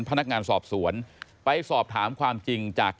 พนักงานสอบสวนไปสอบถามความจริงจาก